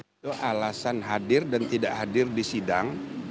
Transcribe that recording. itu alasan hadir dan tidak hadir di sidang